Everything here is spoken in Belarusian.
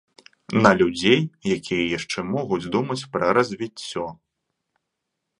На людзей, якія яшчэ могуць думаць пра развіццё.